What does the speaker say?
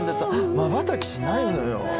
まばたきしないのよ